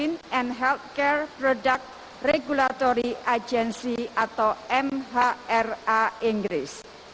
dan juga oleh medsense dan healthcare product regulatory agency atau mhra inggris